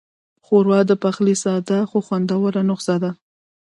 ښوروا د پخلي ساده خو خوندوره نسخه ده.